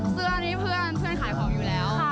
เสื้อนี้เพื่อนเพื่อนขายของอยู่แล้ว